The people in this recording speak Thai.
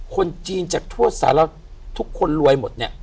คนจีนจากทั่วสารทุกคนรวยหมดเนี่ย